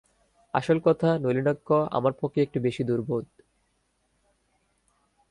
আসল কথা, নলিনাক্ষ আমার পক্ষে একটু বেশি দুর্বোধ।